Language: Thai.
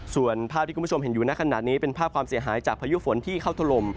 ส่วนภาพที่คุณผู้ชมเห็นอยู่ในขณะนี้เป็นภาพความเสียหายจากพายุฝนที่เข้าถล่ม